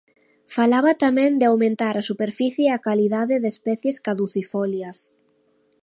Falaba tamén de aumentar a superficie e a calidade de especies caducifolias.